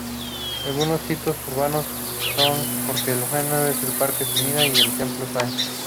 Algunos hitos urbanos son el Parque Ueno, el parque Sumida, y el templo Sensō-ji.